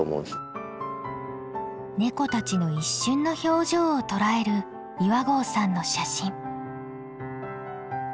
ネコたちの一瞬の表情を捉える岩合さんの写真。